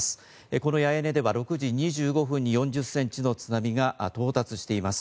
この八重根では６時２５分に４０センチの津波が到達しています。